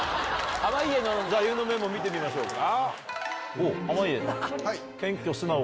濱家の座右の銘も見てみましょうか。